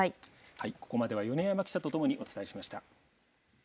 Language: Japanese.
はい、ここまでは米山記者と共にお伝えしました。